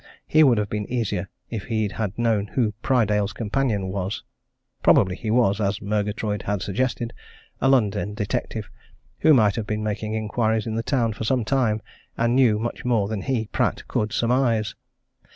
He would have been easier if he had known who Prydale's companion was probably he was, as Murgatroyd had suggested, a London detective who might have been making inquiries in the town for some time and knew much more than he, Pratt, could surmise.